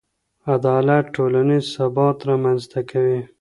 عدالت ټولنیز ثبات رامنځته کوي.